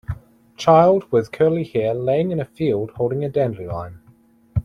Child with curly hair laying in a field holding a dandelion.